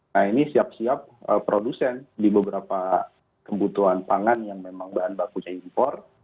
nah ini siap siap produsen di beberapa kebutuhan pangan yang memang bahan bakunya impor